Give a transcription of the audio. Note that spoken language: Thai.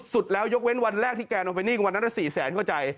สุดแล้วยกเว้นวันแรกที่แกนออกไปนี่วันนั้นละ๔๐๐๐เข้าใจ